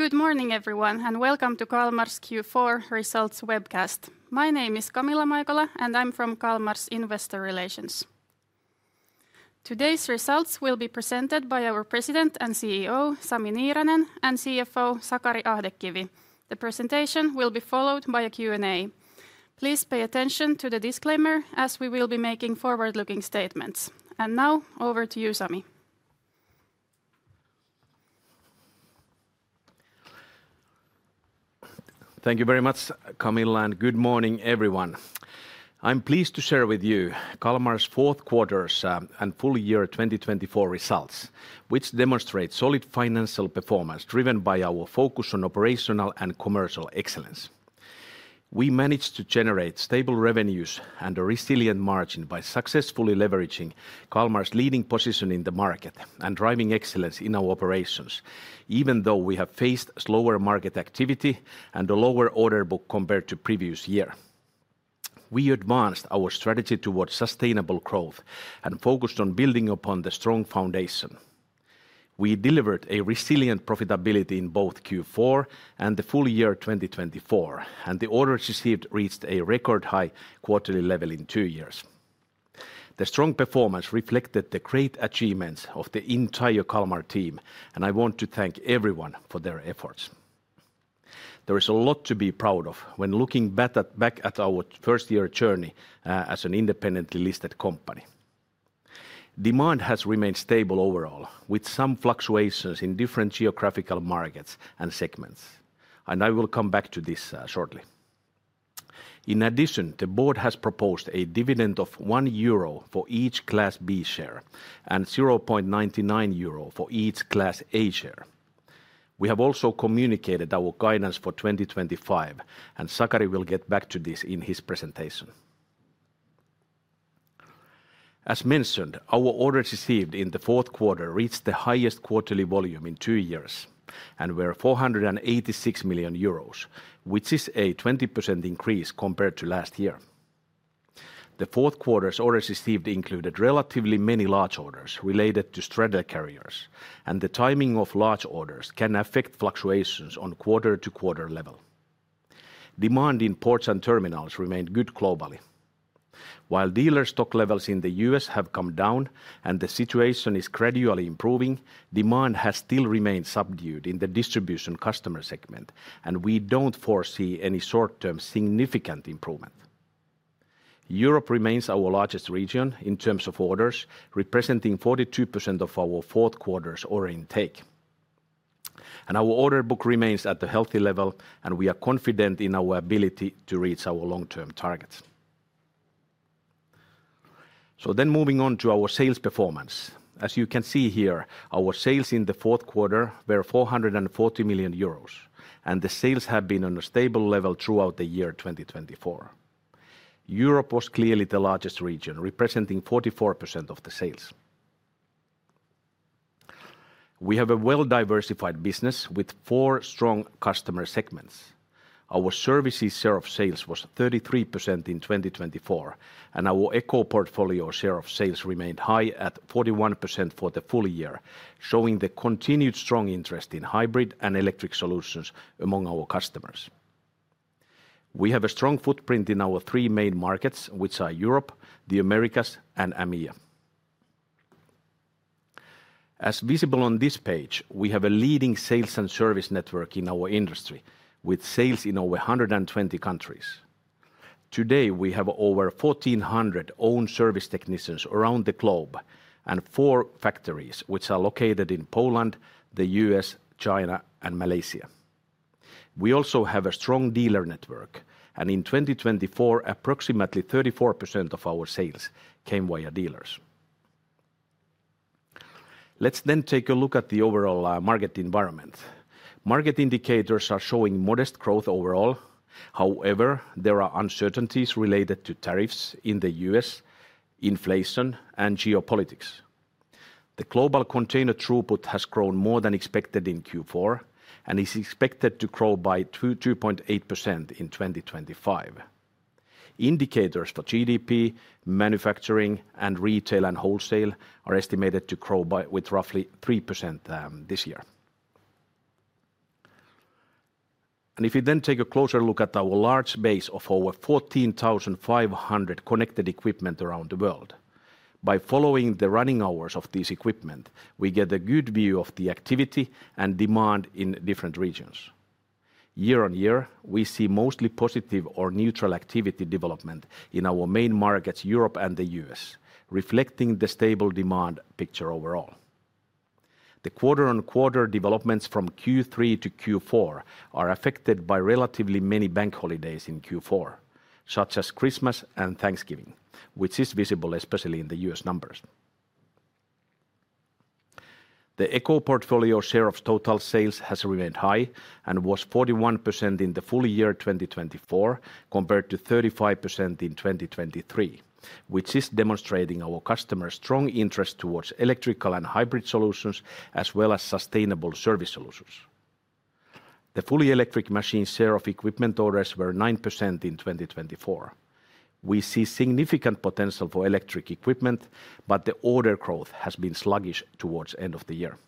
Good morning, everyone, and welcome to Kalmar's Q4 Results Webcast. My name is Camilla Maikola, and I'm from Kalmar's Investor Relations. Today's results will be presented by our President and CEO, Sami Niiranen, and CFO, Sakari Ahdekivi. The presentation will be followed by a Q&A. Please pay attention to the disclaimer, as we will be making forward-looking statements. And now, over to you, Sami. Thank you very much, Camilla, and good morning, everyone. I'm pleased to share with you Kalmar's fourth quarter and full year 2024 results, which demonstrate solid financial performance driven by our focus on operational and commercial excellence. We managed to generate stable revenues and a resilient margin by successfully leveraging Kalmar's leading position in the market and driving excellence in our operations, even though we have faced slower market activity and a lower order book compared to the previous year. We advanced our strategy towards sustainable growth and focused on building upon the strong foundation. We delivered a resilient profitability in both Q4 and the full year 2024, and the orders received reached a record high quarterly level in two years. The strong performance reflected the great achievements of the entire Kalmar team, and I want to thank everyone for their efforts. There is a lot to be proud of when looking back at our first-year journey as an independently listed company. Demand has remained stable overall, with some fluctuations in different geographical markets and segments, and I will come back to this shortly. In addition, the board has proposed a dividend of 1 euro for each Class B share and 0.99 euro for each Class A share. We have also communicated our guidance for 2025, and Sakari will get back to this in his presentation. As mentioned, our orders received in the fourth quarter reached the highest quarterly volume in two years and were 486 million euros, which is a 20% increase compared to last year. The fourth quarter's orders received included relatively many large orders related to straddle carriers, and the timing of large orders can affect fluctuations on quarter-to-quarter level. Demand in ports and terminals remained good globally. While dealer stock levels in the U.S. have come down and the situation is gradually improving, demand has still remained subdued in the distribution customer segment, and we don't foresee any short-term significant improvement. Europe remains our largest region in terms of orders, representing 42% of our fourth quarter's order intake, and our order book remains at a healthy level, and we are confident in our ability to reach our long-term targets, so then, moving on to our sales performance. As you can see here, our sales in the fourth quarter were 440 million euros, and the sales have been on a stable level throughout the year 2024. Europe was clearly the largest region, representing 44% of the sales. We have a well-diversified business with four strong customer segments. Our services share of sales was 33% in 2024, and our Eco Portfolio share of sales remained high at 41% for the full year, showing the continued strong interest in hybrid and electric solutions among our customers. We have a strong footprint in our three main markets, which are Europe, the Americas, and AMEA. As visible on this page, we have a leading sales and service network in our industry, with sales in over 120 countries. Today, we have over 1,400 owned service technicians around the globe and four factories which are located in Poland, the U.S., China, and Malaysia. We also have a strong dealer network, and in 2024, approximately 34% of our sales came via dealers. Let's then take a look at the overall market environment. Market indicators are showing modest growth overall. However, there are uncertainties related to tariffs in the U.S., inflation, and geopolitics. The global container throughput has grown more than expected in Q4 and is expected to grow by 2.8% in 2025. Indicators for GDP, manufacturing, retail, and wholesale are estimated to grow with roughly 3% this year, and if you then take a closer look at our large base of over 14,500 connected equipment around the world, by following the running hours of this equipment, we get a good view of the activity and demand in different regions. Year on year, we see mostly positive or neutral activity development in our main markets, Europe and the U.S., reflecting the stable demand picture overall. The quarter-on-quarter developments from Q3 to Q4 are affected by relatively many bank holidays in Q4, such as Christmas and Thanksgiving, which is visible especially in the U.S. numbers. The Eco Portfolio share of total sales has remained high and was 41% in the full year 2024 compared to 35% in 2023, which is demonstrating our customers' strong interest towards electrical and hybrid solutions as well as sustainable service solutions. The fully electric machines share of equipment orders were 9% in 2024. We see significant potential for electric equipment, but the order growth has been sluggish towards the end of the year.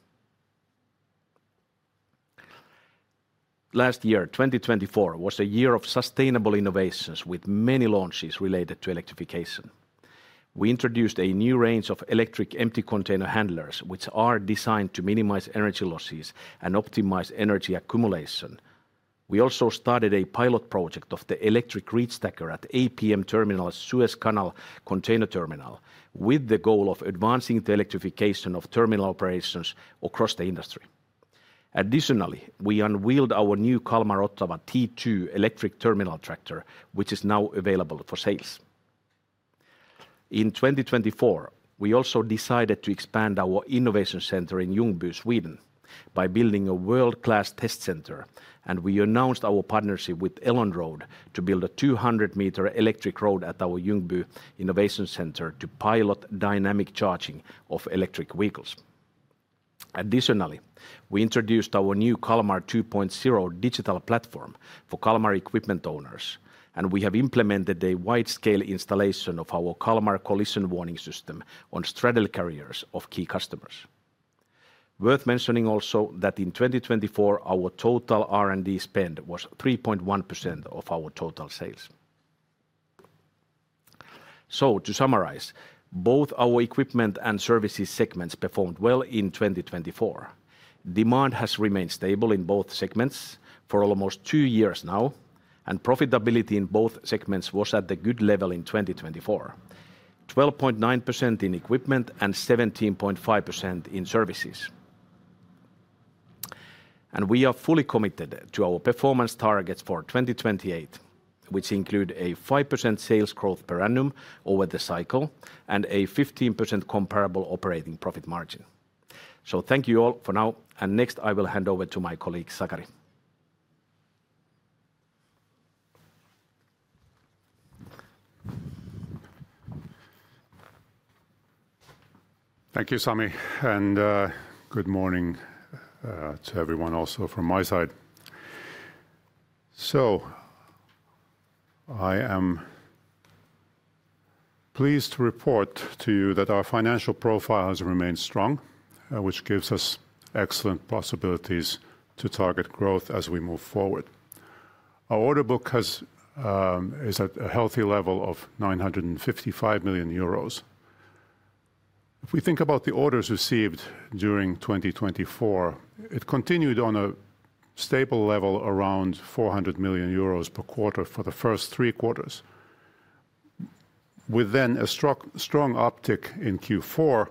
Last year, 2024, was a year of sustainable innovations with many launches related to electrification. We introduced a new range of Electric Empty Container Handlers, which are designed to minimize energy losses and optimize energy accumulation. We also started a pilot project of the Electric Reachstacker at APM Terminals Suez Canal Container Terminal with the goal of advancing the electrification of terminal operations across the industry. Additionally, we unveiled our new Kalmar Ottawa T2 Electric Terminal Tractor, which is now available for sales. In 2024, we also decided to expand our innovation center in Ljungby, Sweden, by building a world-class test center, and we announced our partnership with Elonroad to build a 200-meter electric road at our Ljungby Innovation Center to pilot dynamic charging of electric vehicles. Additionally, we introduced our new Kalmar 2.0 digital platform for Kalmar equipment owners, and we have implemented a wide-scale installation of our Kalmar Collision Warning System on straddle carriers of key customers. Worth mentioning also that in 2024, our total R&D spend was 3.1% of our total sales. So, to summarize, both our equipment and services segments performed well in 2024. Demand has remained stable in both segments for almost two years now, and profitability in both segments was at a good level in 2024: 12.9% in equipment and 17.5% in services, and we are fully committed to our performance targets for 2028, which include a 5% sales growth per annum over the cycle and a 15% comparable operating profit margin, so thank you all for now, and next I will hand over to my colleague Sakari. Thank you, Sami, and good morning to everyone also from my side. So, I am pleased to report to you that our financial profile has remained strong, which gives us excellent possibilities to target growth as we move forward. Our order book is at a healthy level of 955 million euros. If we think about the orders received during 2024, it continued on a stable level around 400 million euros per quarter for the first three quarters. With then a strong uptick in Q4,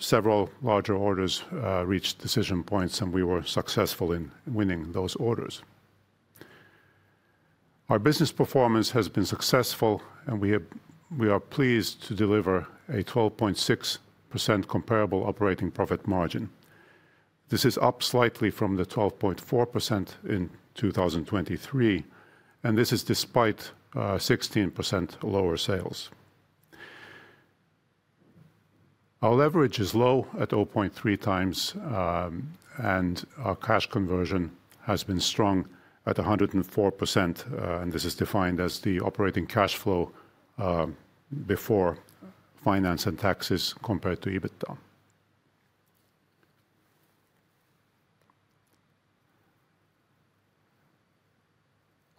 several larger orders reached decision points, and we were successful in winning those orders. Our business performance has been successful, and we are pleased to deliver a 12.6% comparable operating profit margin. This is up slightly from the 12.4% in 2023, and this is despite 16% lower sales. Our leverage is low at 0.3 times, and our cash conversion has been strong at 104%, and this is defined as the operating cash flow before finance and taxes compared to EBITDA.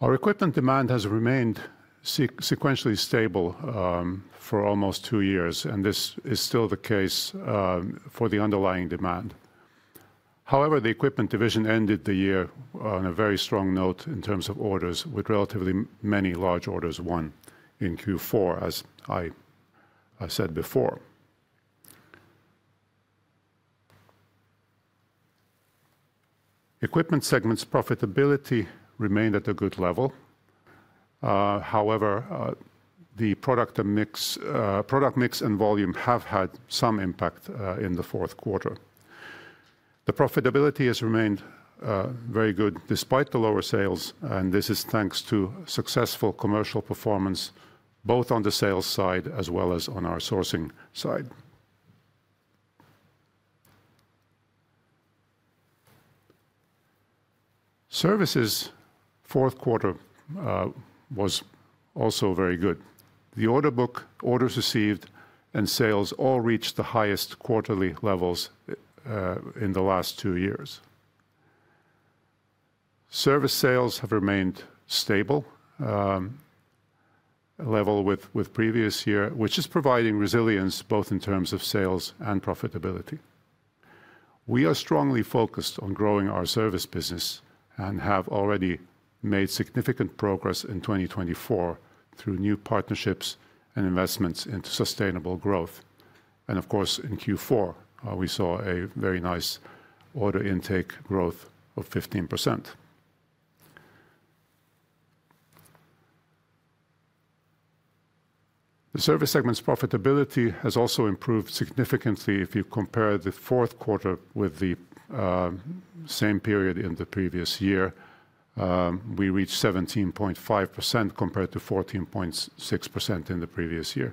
Our equipment demand has remained sequentially stable for almost two years, and this is still the case for the underlying demand. However, the equipment division ended the year on a very strong note in terms of orders, with relatively many large orders won in Q4, as I said before. Equipment segments' profitability remained at a good level. However, the product mix and volume have had some impact in the fourth quarter. The profitability has remained very good despite the lower sales, and this is thanks to successful commercial performance both on the sales side as well as on our sourcing side. Services' fourth quarter was also very good. The order book, orders received, and sales all reached the highest quarterly levels in the last two years. Service sales have remained stable, level with previous year, which is providing resilience both in terms of sales and profitability. We are strongly focused on growing our service business and have already made significant progress in 2024 through new partnerships and investments into sustainable growth, and of course, in Q4, we saw a very nice order intake growth of 15%. The service segment's profitability has also improved significantly. If you compare the fourth quarter with the same period in the previous year, we reached 17.5% compared to 14.6% in the previous year.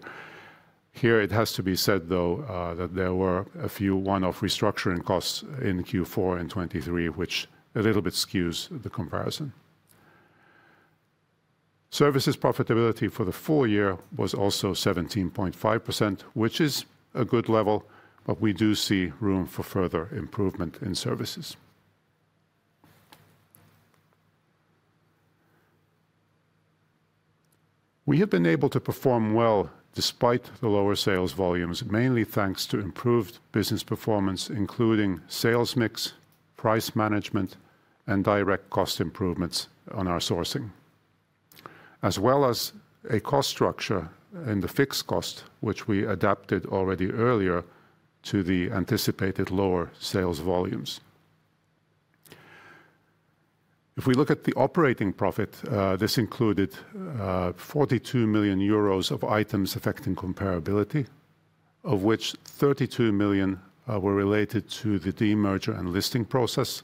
Here, it has to be said, though, that there were a few one-off restructuring costs in Q4 and 2023, which a little bit skews the comparison. Services profitability for the full year was also 17.5%, which is a good level, but we do see room for further improvement in services. We have been able to perform well despite the lower sales volumes, mainly thanks to improved business performance, including sales mix, price management, and direct cost improvements on our sourcing, as well as a cost structure in the fixed cost, which we adapted already earlier to the anticipated lower sales volumes. If we look at the operating profit, this included 42 million euros of items affecting comparability, of which 32 million were related to the de-merger and listing process,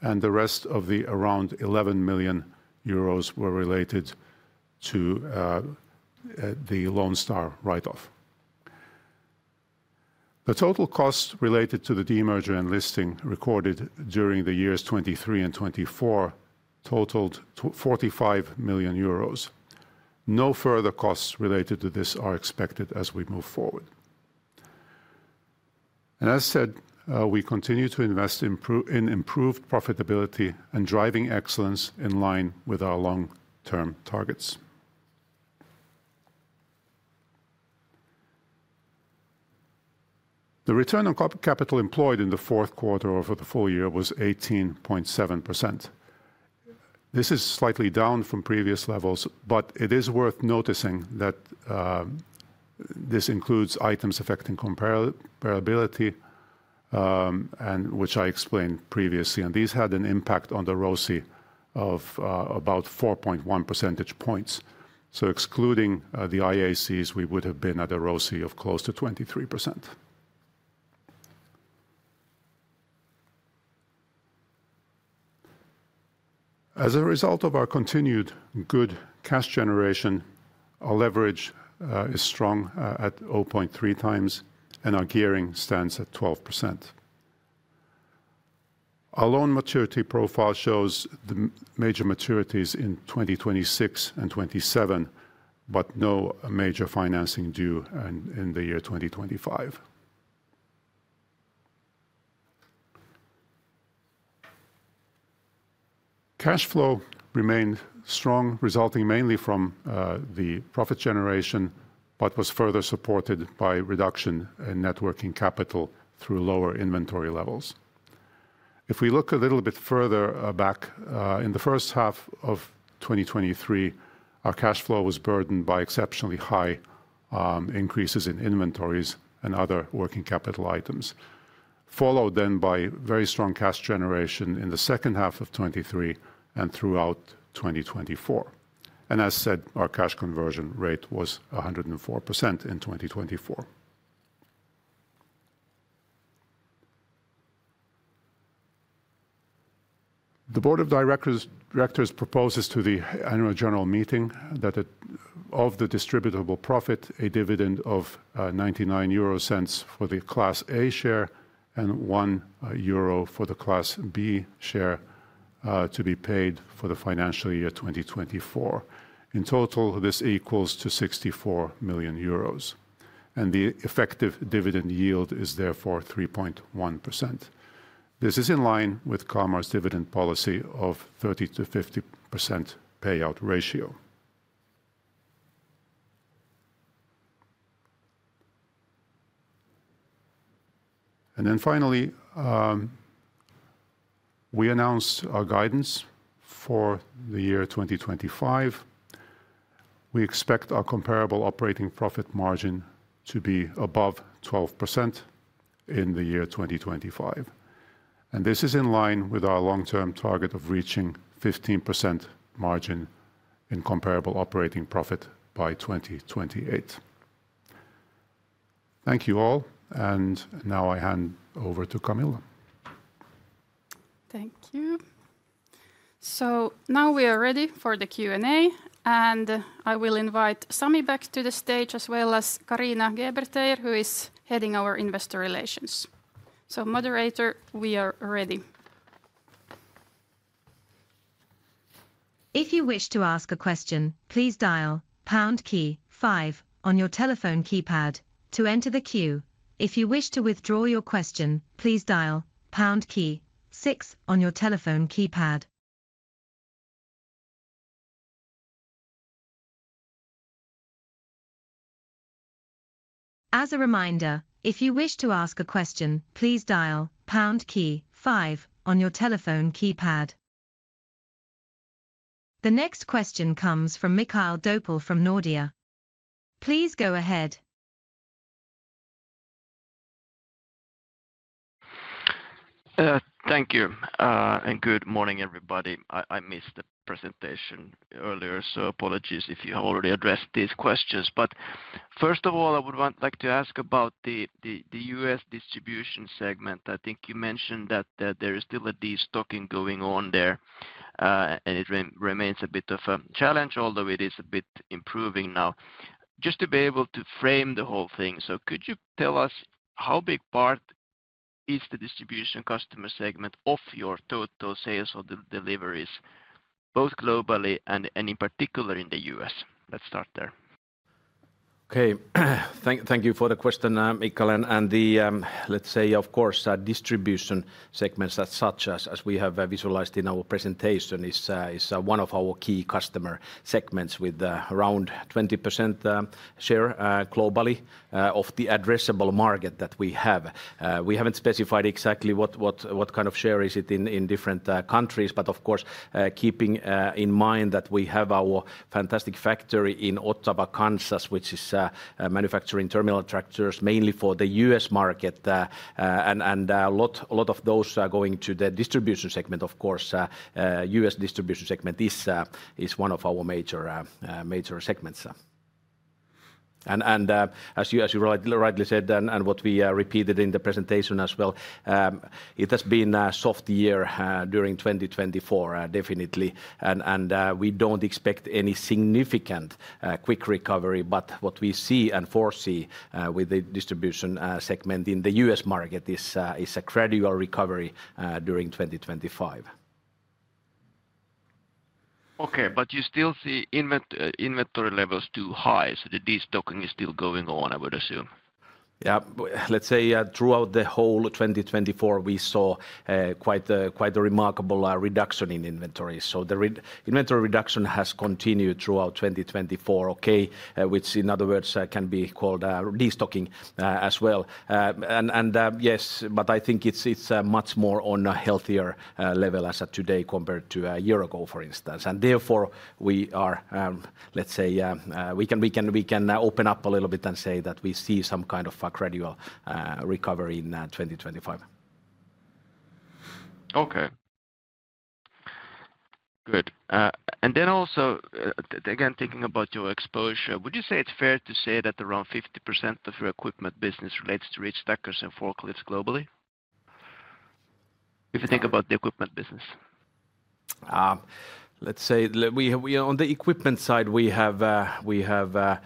and the rest of the around 11 million euros were related to the Lonestar write-off. The total cost related to the de-merger and listing recorded during the years 2023 and 2024 totaled 45 million euros. No further costs related to this are expected as we move forward, and as said, we continue to invest in improved profitability and driving excellence in line with our long-term targets. The return on capital employed in the fourth quarter over the full year was 18.7%. This is slightly down from previous levels, but it is worth noticing that this includes items affecting comparability, which I explained previously, and these had an impact on the ROCE of about 4.1 percentage points, so excluding the IACs, we would have been at a ROCE of close to 23%. As a result of our continued good cash generation, our leverage is strong at 0.3 times, and our gearing stands at 12%. Our loan maturity profile shows the major maturities in 2026 and 2027, but no major financing due in the year 2025. Cash flow remained strong, resulting mainly from the profit generation, but was further supported by reduction in net working capital through lower inventory levels. If we look a little bit further back, in the first half of 2023, our cash flow was burdened by exceptionally high increases in inventories and other working capital items, followed then by very strong cash generation in the second half of 2023 and throughout 2024. As said, our cash conversion rate was 104% in 2024. The Board of Directors proposes to the Annual General Meeting that of the distributable profit, a dividend of 0.99 for the Class A share and 1 euro for the Class B share to be paid for the financial year 2024. In total, this equals to 64 million euros, and the effective dividend yield is therefore 3.1%. This is in line with Kalmar's dividend policy of 30%-50% payout ratio. And then finally, we announced our guidance for the year 2025. We expect our comparable operating profit margin to be above 12% in the year 2025. And this is in line with our long-term target of reaching 15% margin in comparable operating profit by 2028. Thank you all, and now I hand over to Camilla. Thank you. So now we are ready for the Q&A, and I will invite Sami back to the stage as well as Carina Geber-Teir, who is heading our investor relations. So, moderator, we are ready. If you wish to ask a question, please dial pound five on your telephone keypad to enter the queue. If you wish to withdraw your question, please dial pound six on your telephone keypad. As a reminder, if you wish to ask a question, please dial pound five on your telephone keypad. The next question comes from Mikael Doepel from Nordea. Please go ahead. Thank you and good morning, everybody. I missed the presentation earlier, so apologies if you have already addressed these questions. But first of all, I would like to ask about the U.S. distribution segment. I think you mentioned that there is still a destocking going on there, and it remains a bit of a challenge, although it is a bit improving now. Just to be able to frame the whole thing, so could you tell us how big part is the distribution customer segment of your total sales of the deliveries, both globally and in particular in the U.S.? Let's start there. Okay, thank you for the question, Mikael. And the, let's say, of course, distribution segments, as we have visualized in our presentation, is one of our key customer segments with around 20% share globally of the addressable market that we have. We haven't specified exactly what kind of share is it in different countries, but of course, keeping in mind that we have our fantastic factory in Ottawa, Kansas, which is manufacturing terminal tractors mainly for the U.S. market. And a lot of those are going to the distribution segment, of course. U.S. distribution segment is one of our major segments. And as you rightly said, and what we repeated in the presentation as well, it has been a soft year during 2024, definitely. We don't expect any significant quick recovery, but what we see and foresee with the distribution segment in the US market is a gradual recovery during 2025. Okay, but you still see inventory levels too high, so the destocking is still going on, I would assume. Yeah, let's say throughout the whole 2024, we saw quite a remarkable reduction in inventory. So the inventory reduction has continued throughout 2024, okay, which in other words can be called destocking as well. And yes, but I think it's much more on a healthier level as of today compared to a year ago, for instance. And therefore, we are, let's say, we can open up a little bit and say that we see some kind of gradual recovery in 2025. Okay, good. And then also, again, thinking about your exposure, would you say it's fair to say that around 50% of your equipment business relates to reachstackers and forklifts globally? If you think about the equipment business. Let's say on the equipment side, we have the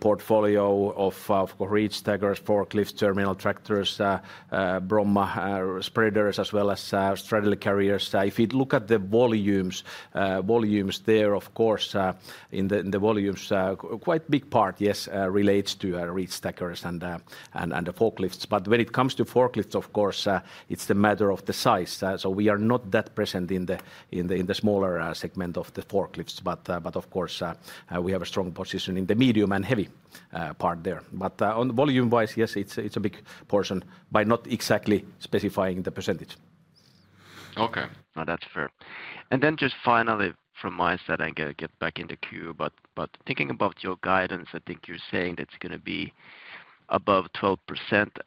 portfolio of reachstackers, forklifts, terminal tractors, Bromma spreaders, as well as straddle carriers. If you look at the volumes there, of course, in the volumes, quite a big part, yes, relates to reachstackers and the forklifts. But when it comes to forklifts, of course, it's the matter of the size. So we are not that present in the smaller segment of the forklifts, but of course, we have a strong position in the medium and heavy part there. But volume-wise, yes, it's a big portion by not exactly specifying the percentage. Okay, well that's fair, and then just finally, from my side, I get back in the queue, but thinking about your guidance, I think you're saying that's going to be above 12%.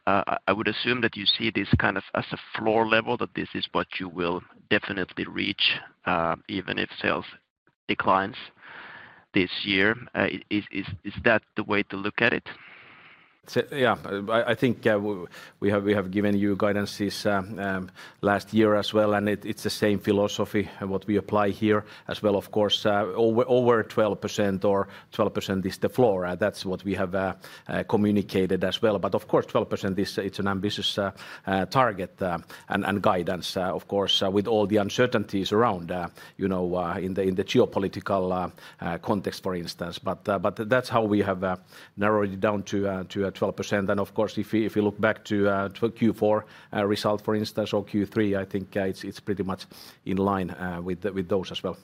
I would assume that you see this kind of as a floor level, that this is what you will definitely reach even if sales declines this year. Is that the way to look at it? Yeah, I think we have given you guidances last year as well, and it's the same philosophy what we apply here as well. Of course, over 12% or 12% is the floor, and that's what we have communicated as well, but of course, 12% is an ambitious target and guidance, of course, with all the uncertainties around in the geopolitical context, for instance. But that's how we have narrowed it down to 12%, and of course, if you look back to Q4 result, for instance, or Q3, I think it's pretty much in line with those as well.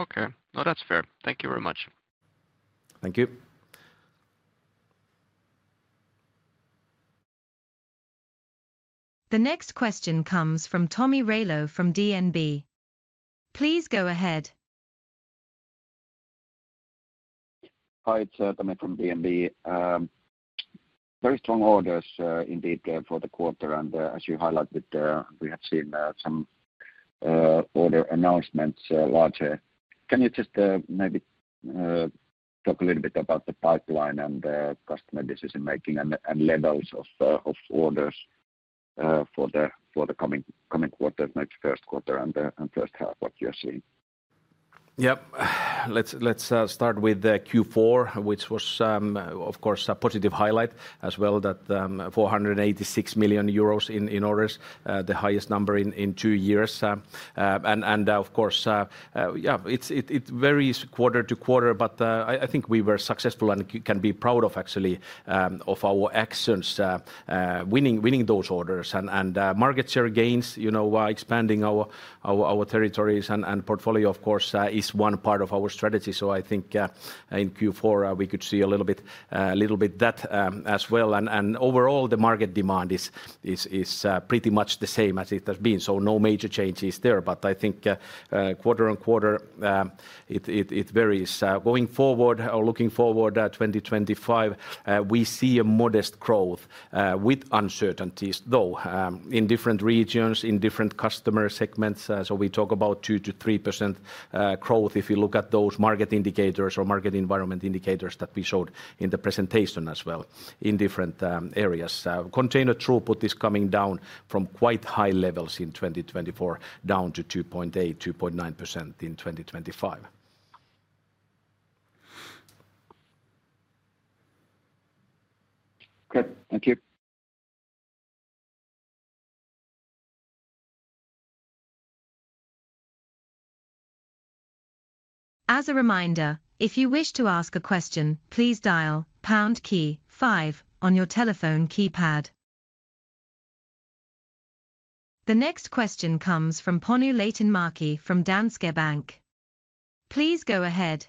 Okay, well, that's fair. Thank you very much. Thank you. The next question comes from Tomi Railo from DNB. Please go ahead. Hi, it's Tomi from DNB. Very strong orders indeed for the quarter, and as you highlighted, we have seen some order announcements larger. Can you just maybe talk a little bit about the pipeline and customer decision-making and levels of orders for the coming quarter, maybe first quarter and first half, what you're seeing? Yep, let's start with Q4, which was, of course, a positive highlight as well, that 486 million euros in orders, the highest number in two years, and of course, yeah, it varies quarter to quarter, but I think we were successful and can be proud of actually of our actions, winning those orders and market share gains, expanding our territories, and portfolio, of course, is one part of our strategy, so I think in Q4 we could see a little bit that as well, and overall, the market demand is pretty much the same as it has been, so no major changes there, but I think quarter-on-quarter, it varies. Going forward or looking forward to 2025, we see a modest growth with uncertainties, though, in different regions, in different customer segments. We talk about 2%-3% growth if you look at those market indicators or market environment indicators that we showed in the presentation as well in different areas. Container throughput is coming down from quite high levels in 2024 down to 2.8%-2.9% in 2025. Good, thank you. As a reminder, if you wish to ask a question, please dial pound five on your telephone keypad. The next question comes from Panu Laitinmäki from Danske Bank. Please go ahead.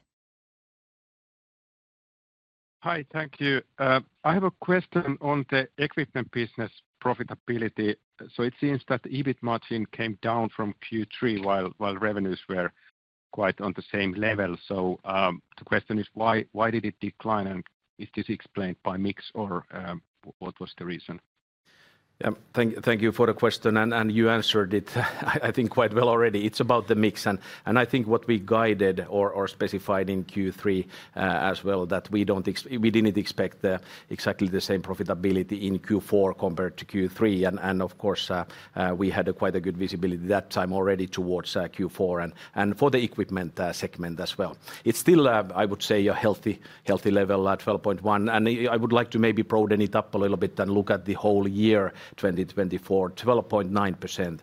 Hi, thank you. I have a question on the equipment business profitability. So it seems that EBIT margin came down from Q3 while revenues were quite on the same level. So the question is, why did it decline? And is this explained by mix or what was the reason? Yeah, thank you for the question, and you answered it, I think, quite well already. It's about the mix, and I think what we guided or specified in Q3 as well, that we didn't expect exactly the same profitability in Q4 compared to Q3, and of course, we had quite a good visibility that time already towards Q4 and for the equipment segment as well. It's still, I would say, a healthy level, 12.1%. I would like to maybe broaden it up a little bit and look at the whole year 2024. 12.9%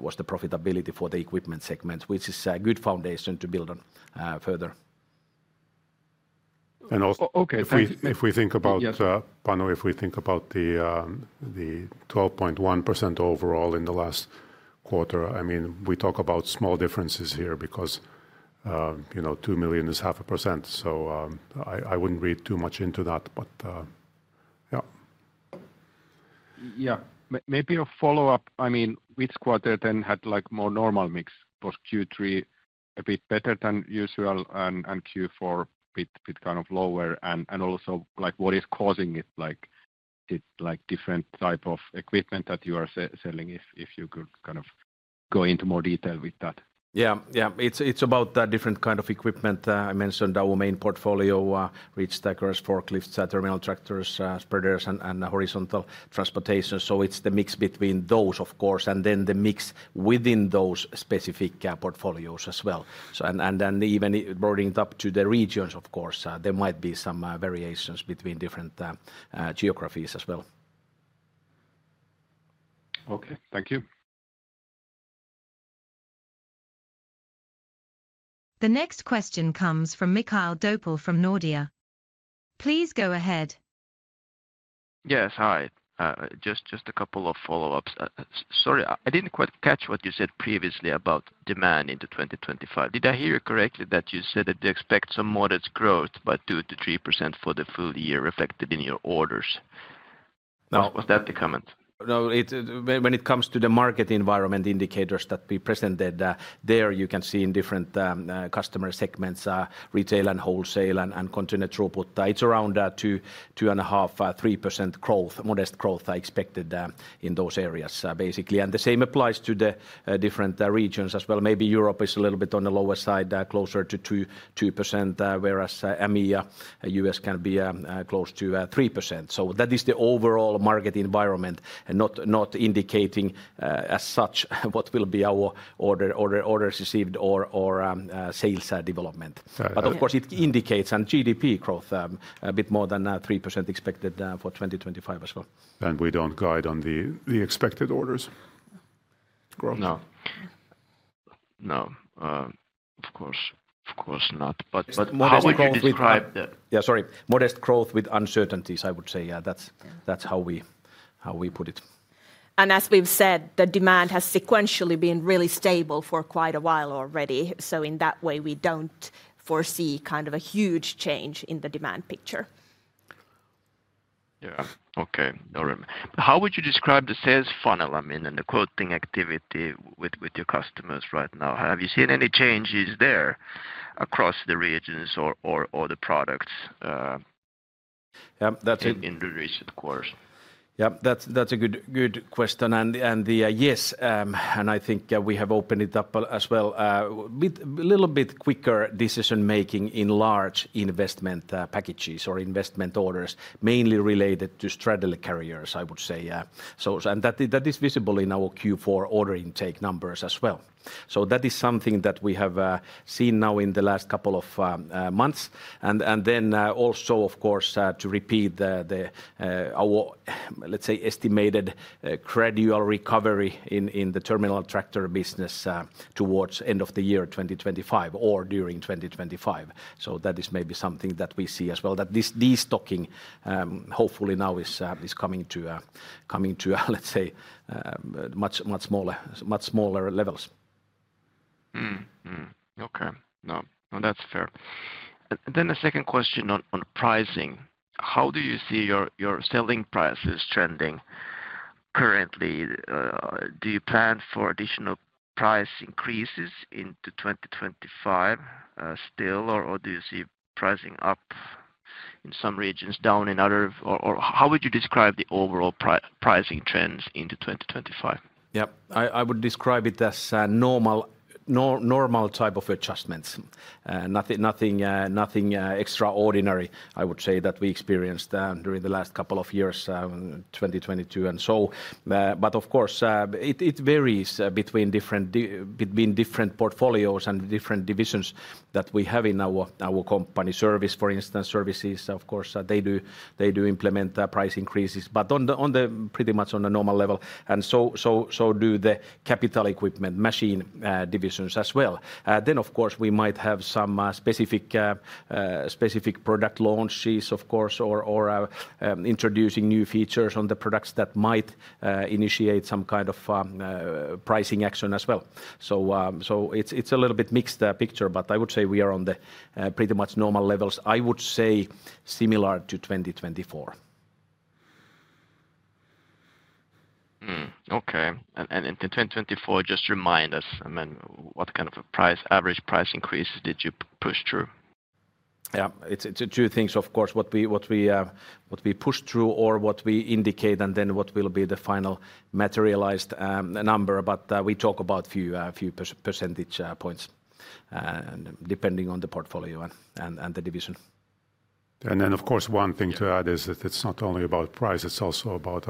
was the profitability for the equipment segment, which is a good foundation to build on further. And also, if we think about, Panu, if we think about the 12.1% overall in the last quarter, I mean, we talk about small differences here because 2 million is 0.5%. So I wouldn't read too much into that, but yeah. Yeah, maybe a follow-up. I mean, which quarter then had more normal mix? Was Q3 a bit better than usual and Q4 a bit kind of lower? And also, what is causing it? Is it different type of equipment that you are selling? If you could kind of go into more detail with that. Yeah, yeah, it's about that different kind of equipment. I mentioned our main portfolio, reachstackers, forklifts, terminal tractors, spreaders, and horizontal transportation. So it's the mix between those, of course, and then the mix within those specific portfolios as well. And then even broadening it up to the regions, of course, there might be some variations between different geographies as well. Okay, thank you. The next question comes from Mikael Doepel from Nordea. Please go ahead. Yes, hi. Just a couple of follow-ups. Sorry, I didn't quite catch what you said previously about demand into 2025. Did I hear you correctly that you said that you expect some modest growth, but 2%-3% for the full year reflected in your orders? No. Was that the comment? No, when it comes to the market environment indicators that we presented there, you can see in different customer segments, retail and wholesale and container throughput, it's around 2.5%-3% growth, modest growth I expected in those areas, basically. And the same applies to the different regions as well. Maybe Europe is a little bit on the lower side, closer to 2%, whereas AMEA, US can be close to 3%. So that is the overall market environment, not indicating as such what will be our orders received or sales development. But of course, it indicates GDP growth, a bit more than 3% expected for 2025 as well. We don't guide on the expected orders growth? No. No. Of course, of course not. Yeah, sorry, modest growth with uncertainties, I would say. That's how we put it. As we've said, the demand has sequentially been really stable for quite a while already. In that way, we don't foresee kind of a huge change in the demand picture. Yeah, okay. How would you describe the sales funnel, I mean, and the quoting activity with your customers right now? Have you seen any changes there across the regions or the products in the recent course? Yeah, that's a good question. Yes, I think we have opened it up as well. A little bit quicker decision-making in large investment packages or investment orders, mainly related to straddle carriers, I would say. That is visible in our Q4 order intake numbers as well. That is something that we have seen now in the last couple of months. Then also, of course, to repeat our estimated gradual recovery in the terminal tractor business towards the end of the year 2025 or during 2025. That is maybe something that we see as well, that this destocking hopefully now is coming to much smaller levels. Okay, well, that's fair. Then the second question on pricing. How do you see your selling prices trending currently? Do you plan for additional price increases into 2025 still, or do you see pricing up in some regions, down in other? Or how would you describe the overall pricing trends into 2025? Yeah, I would describe it as normal type of adjustments. Nothing extraordinary, I would say, that we experienced during the last couple of years, 2022 and so. But of course, it varies between different portfolios and different divisions that we have in our company. Service, for instance, services, of course, they do implement price increases, but pretty much on a normal level. And so do the capital equipment machine divisions as well. Then, of course, we might have some specific product launches, of course, or introducing new features on the products that might initiate some kind of pricing action as well. So it's a little bit mixed picture, but I would say we are on the pretty much normal levels, I would say, similar to 2024. Okay. In 2024, just remind us, I mean, what kind of average price increase did you push through? Yeah, it's two things, of course. What we push through or what we indicate and then what will be the final materialized number. But we talk about a few percentage points depending on the portfolio and the division. And then, of course, one thing to add is that it's not only about price, it's also about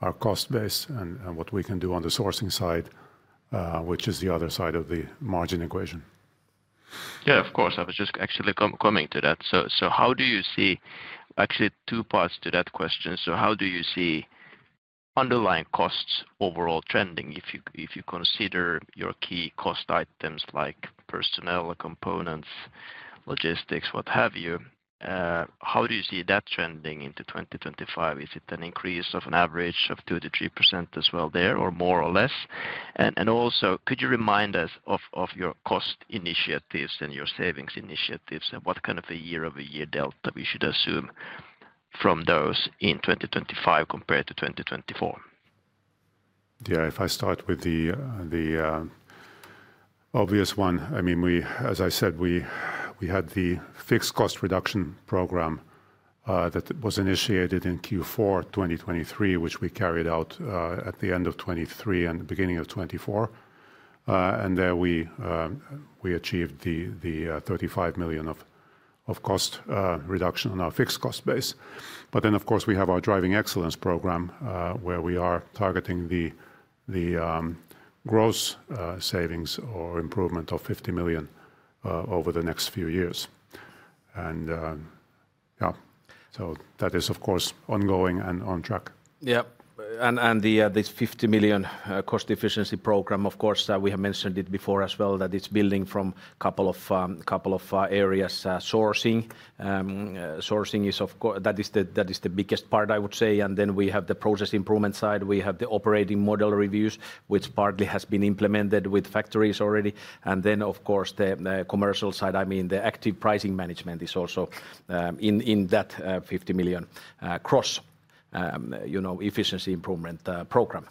our cost base and what we can do on the sourcing side, which is the other side of the margin equation. Yeah, of course. I was just actually coming to that. So, how do you see? Actually, two parts to that question. So, how do you see underlying costs overall trending? If you consider your key cost items like personnel, components, logistics, what have you, how do you see that trending into 2025? Is it an increase of an average of 2%-3% as well there or more or less? And also, could you remind us of your cost initiatives and your savings initiatives and what kind of a year-over-year delta we should assume from those in 2025 compared to 2024? Yeah, if I start with the obvious one, I mean, as I said, we had the fixed cost reduction program that was initiated in Q4 2023, which we carried out at the end of 2023 and the beginning of 2024. And there we achieved 35 million of cost reduction on our fixed cost base. But then, of course, we have our driving excellence program where we are targeting the gross savings or improvement of 50 million over the next few years. And yeah, so that is, of course, ongoing and on track. Yeah, and this 50 million cost efficiency program, of course, we have mentioned it before as well that it's building from a couple of areas. Sourcing is, of course, that is the biggest part, I would say. And then we have the process improvement side. We have the operating model reviews, which partly has been implemented with factories already. And then, of course, the commercial side, I mean, the active pricing management is also in that 50 million cost efficiency improvement program.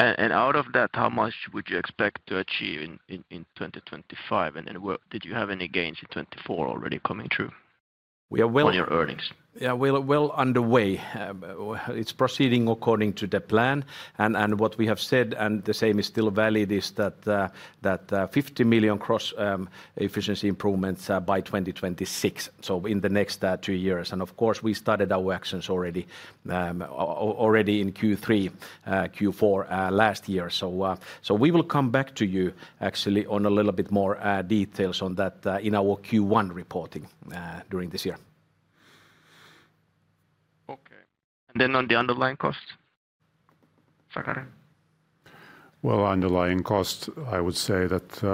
Out of that, how much would you expect to achieve in 2025? Did you have any gains in 2024 already coming through on your earnings? Yeah, well underway. It's proceeding according to the plan. And what we have said, and the same is still valid, is that 50 million EUR cost efficiency improvements by 2026, so in the next two years. And of course, we started our actions already in Q3, Q4 last year. So we will come back to you actually on a little bit more details on that in our Q1 reporting during this year. Okay. And then on the underlying costs, Sakari? Underlying costs, I would say that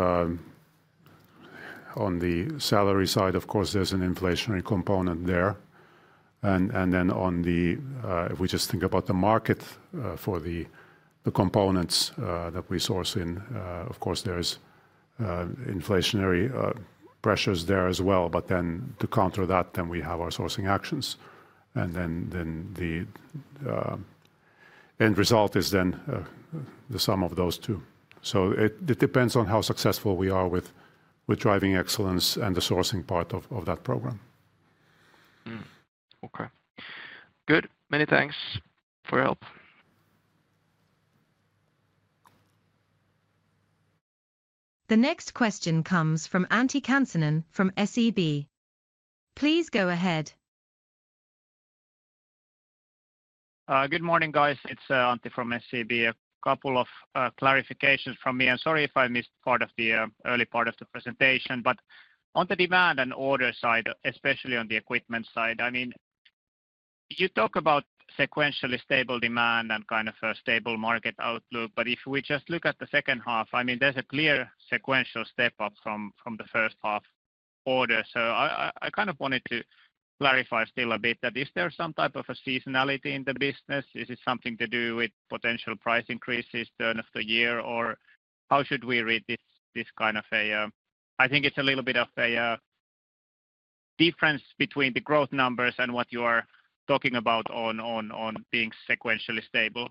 on the salary side, of course, there's an inflationary component there, and then if we just think about the market for the components that we source in, of course, there's inflationary pressures there as well, but then to counter that, then we have our sourcing actions, and then the end result is then the sum of those two, so it depends on how successful we are with driving excellence and the sourcing part of that program. Okay. Good. Many thanks for your help. The next question comes from Antti Kansanen from SEB. Please go ahead. Good morning, guys. It's Antti from SEB. A couple of clarifications from me. I'm sorry if I missed part of the early part of the presentation, but on the demand and order side, especially on the equipment side, I mean, you talk about sequentially stable demand and kind of a stable market outlook. But if we just look at the second half, I mean, there's a clear sequential step up from the first half order. So I kind of wanted to clarify still a bit that, is there some type of a seasonality in the business? Is it something to do with potential price increases turn of the year? Or how should we read this kind of a, I think it's a little bit of a difference between the growth numbers and what you are talking about on being sequentially stable?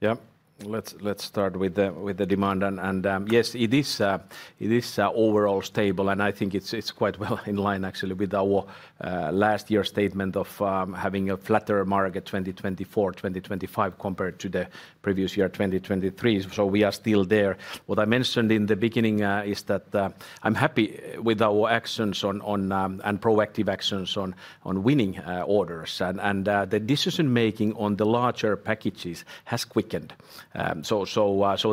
Yeah, let's start with the demand, and yes, it is overall stable, and I think it's quite well in line actually with our last year statement of having a flatter market 2024, 2025 compared to the previous year 2023, so we are still there. What I mentioned in the beginning is that I'm happy with our actions and proactive actions on winning orders, and the decision-making on the larger packages has quickened, so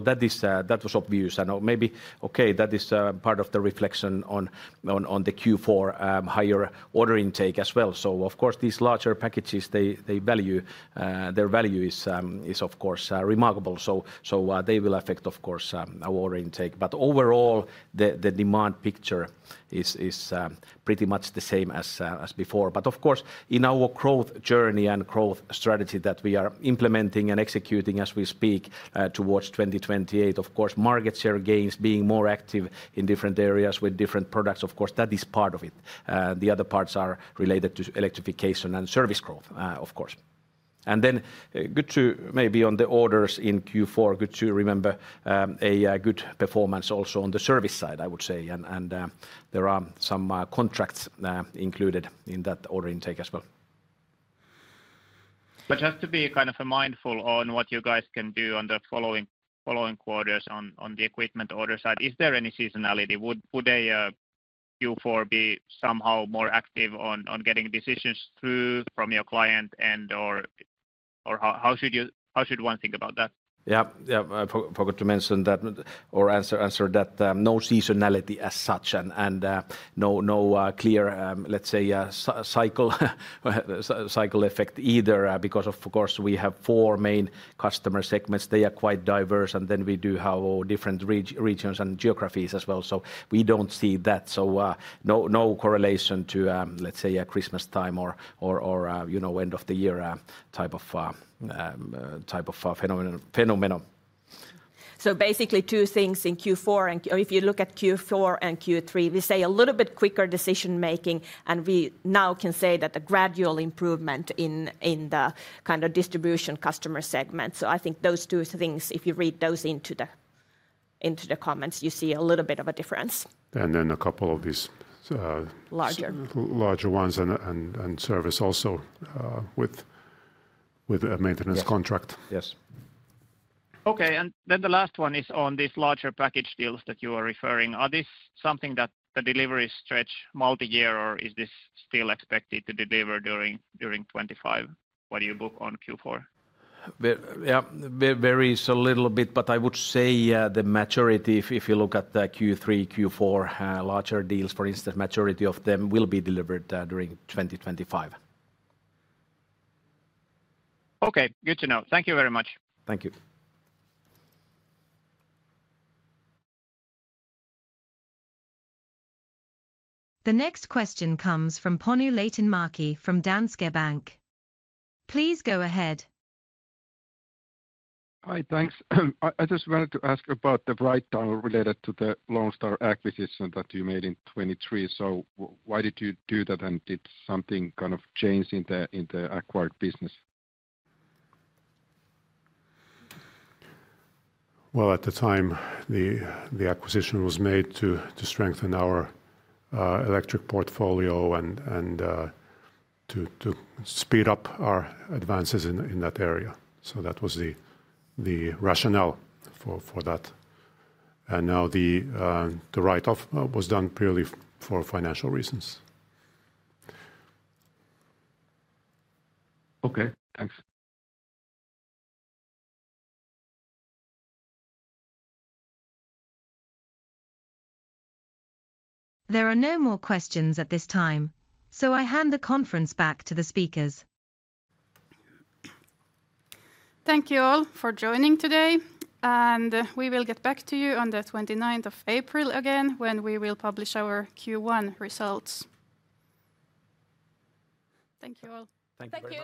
that was obvious, and maybe, okay, that is part of the reflection on the Q4 higher order intake as well, so of course, these larger packages, their value is, of course, remarkable, so they will affect, of course, our order intake, but overall, the demand picture is pretty much the same as before. But of course, in our growth journey and growth strategy that we are implementing and executing as we speak towards 2028, of course, market share gains being more active in different areas with different products, of course, that is part of it. The other parts are related to electrification and service growth, of course. And then good to maybe on the orders in Q4, good to remember a good performance also on the service side, I would say. And there are some contracts included in that order intake as well. But just to be kind of mindful on what you guys can do on the following quarters on the equipment order side, is there any seasonality? Would a Q4 be somehow more active on getting decisions through from your client end? Or how should one think about that? Yeah, yeah, forgot to mention that or answer that. No seasonality as such and no clear, let's say, cycle effect either because, of course, we have four main customer segments. They are quite diverse, and then we do have different regions and geographies as well. So we don't see that, so no correlation to, let's say, Christmas time or end of the year type of phenomenon. So basically two things in Q4. And if you look at Q4 and Q3, we say a little bit quicker decision-making. And we now can say that a gradual improvement in the kind of distribution customer segment. So I think those two things, if you read those into the comments, you see a little bit of a difference. Then a couple of these. Larger. Larger ones and service also with a maintenance contract. Yes. Okay. And then the last one is on these larger package deals that you are referring. Are these something that the deliveries stretch multi-year or is this still expected to deliver during 2025? What do you book on Q4? Yeah, varies a little bit, but I would say the majority, if you look at the Q3, Q4 larger deals, for instance, majority of them will be delivered during 2025. Okay. Good to know. Thank you very much. Thank you. The next question comes from Panu Laitinmäki from Danske Bank. Please go ahead. Hi, thanks. I just wanted to ask about the write-off related to the Lonestar acquisition that you made in 2023. So why did you do that and did something kind of change in the acquired business? At the time, the acquisition was made to strengthen our electric portfolio and to speed up our advances in that area. That was the rationale for that. Now the write-off was done purely for financial reasons. Okay. Thanks. There are no more questions at this time, so I hand the conference back to the speakers. Thank you all for joining today. And we will get back to you on the 29th of April again when we will publish our Q1 results. Thank you all. Thank you.